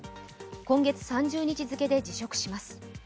今月３０日づけで辞職します。